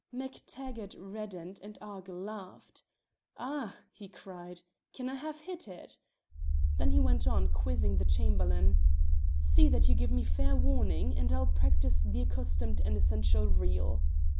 MacTaggart reddened and Argyll laughed, "Ah!" he cried. "Can I have hit it?" he went on, quizzing the Chamberlain. "See that you give me fair warning, and I'll practise the accustomed and essential reel.